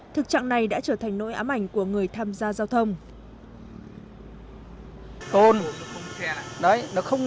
thực trạng này đã trở thành nỗi ám ảnh của người tham gia giao thông